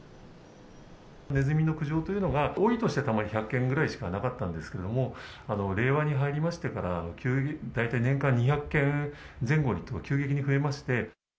ネズミの苦情というのは、多い年で１００件ぐらいしかなかったんですけど、令和に入りましてから、大体、年間２００件前後に急激に増えまして。